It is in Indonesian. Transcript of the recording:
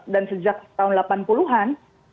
dan sejak tahun delapan puluh an